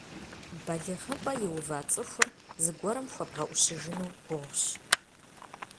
БалигъыпӀэ иува цӀыхур зыгуэрым хуэбгъэӀущыжыну гугъущ.